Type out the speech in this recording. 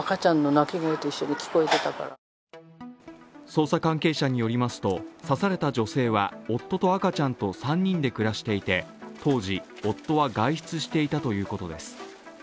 捜査関係者によりますと刺された女性は夫と赤ちゃんと３人で暮らしていて当時、夫は外出していたということです。